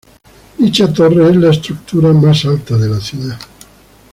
Dicha torre es la estructura más alta de la ciudad.